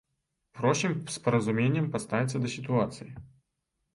Просім з разуменнем паставіцца да сітуацыі.